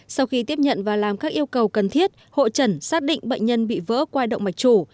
sau khi tiếp nhận và làm các yêu cầu cần thiết hội trần xác định bệnh nhân bị vỡ qua động mạch chủ